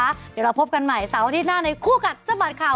เดี๋ยวเราพบกันใหม่เสาร์อาทิตย์หน้าในคู่กัดสะบัดข่าว